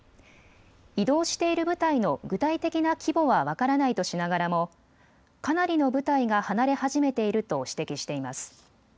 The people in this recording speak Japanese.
移動している部隊の具体的な規模は分からないとしながらもかなりの部隊が離れ始めていると指摘しています。